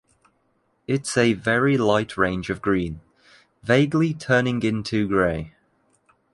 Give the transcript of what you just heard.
It’s a very light range of green, vaguely turning into grey.